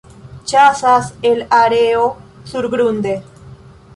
Ĉasas el aero surgrunde.